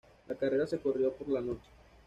La carrera se corrió por la noche.